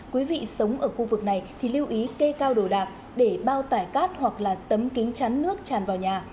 quý vị sống ở khu vực này thì lưu ý kê cao đồ đạc để bao tải cát hoặc là tấm kính chắn nước tràn vào nhà